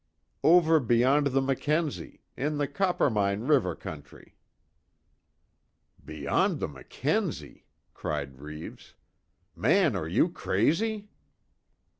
"Over beyond the Mackenzie. In the Coppermine River country." "Beyond the Mackenzie!" cried Reeves, "Man are you crazy!"